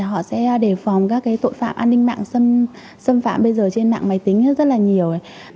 họ sẽ đề phòng các tội phạm an ninh mạng xâm phạm bây giờ trên mạng máy tính rất là nhiều